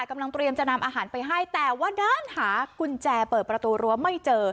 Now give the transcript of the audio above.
กำลังเตรียมจะนำอาหารไปให้แต่ว่าด้านหากุญแจเปิดประตูรั้วไม่เจอ